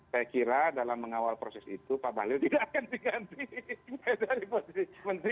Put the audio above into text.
saya kira dalam mengawal proses itu pak bahlil tidak akan diganti dari posisi menteri